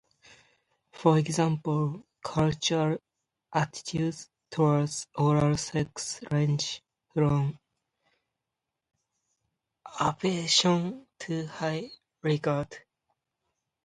For example, cultural attitudes toward oral sex range from aversion to high regard.